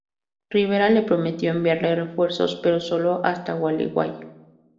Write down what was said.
Rivera le prometió enviarle refuerzos, pero sólo hasta Gualeguay.